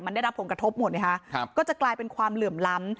มันได้รับผลกระทบหมดไงฮะครับก็จะกลายเป็นความเหลื่อมล้ำ